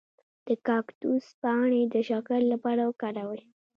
د کاکتوس پاڼې د شکر لپاره وکاروئ